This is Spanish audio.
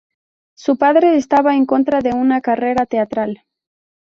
Su padre estaba en contra de una carrera teatral.